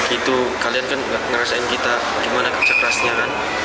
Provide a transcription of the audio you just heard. itu kalian kan ngerasain kita gimana kerja kerasnya kan